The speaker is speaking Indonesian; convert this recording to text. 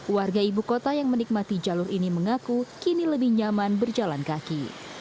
warga ibu kota yang menikmati jalur ini mengaku kini lebih nyaman berjalan kaki